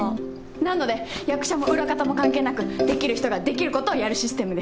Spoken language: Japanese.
なので役者も裏方も関係なくできる人ができることをやるシステムです。